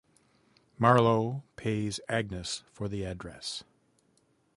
Marlowe pays Agnes for the address.